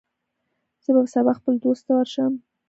زه به سبا خپل دوست ته ورشم.